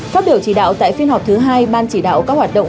phát biểu chỉ đạo tại phiên họp thứ hai ban chỉ đạo các hoạt động